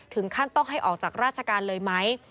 ถึงขั้นต้องให้ออกจากราชการเลยไหม